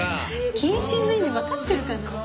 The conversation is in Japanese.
謹慎の意味わかってるかな？